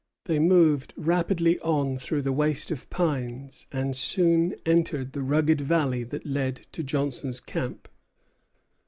They moved rapidly on through the waste of pines, and soon entered the rugged valley that led to Johnson's camp.